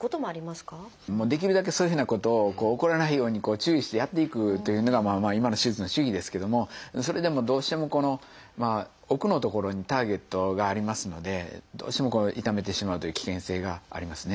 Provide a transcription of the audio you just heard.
できるだけそういうふうなことを起こらないように注意してやっていくというのが今の手術の手技ですけどもそれでもどうしても奥の所にターゲットがありますのでどうしても傷めてしまうという危険性がありますね。